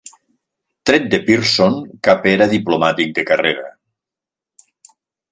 Tret de Pearson, cap era diplomàtic de carrera.